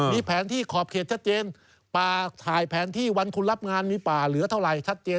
มีแผนที่ขอบเขตชัดเจนป่าถ่ายแผนที่วันคุณรับงานมีป่าเหลือเท่าไหร่ชัดเจน